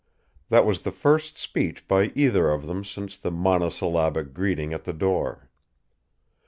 That was the first speech by either of them since the monosyllabic greeting at the door.